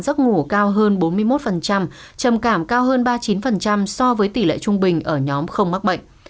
giấc ngủ cao hơn bốn mươi một trầm cảm cao hơn ba mươi chín so với tỷ lệ trung bình ở nhóm không mắc bệnh